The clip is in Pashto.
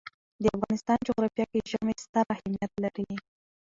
د افغانستان جغرافیه کې ژمی ستر اهمیت لري.